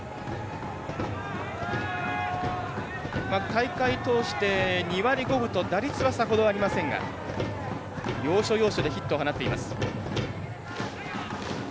大会通して２割５分と打率はさほどありませんが要所要所でヒットを放っています。